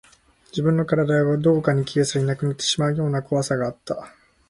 自分の体がどこかに消え去り、なくなってしまうような怖さがあった